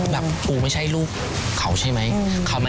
ปูไม่ใช่ลูกเขาใช่ไหม